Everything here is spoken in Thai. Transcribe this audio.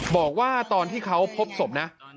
บอกว่าตอนที่เขาพบศพนะ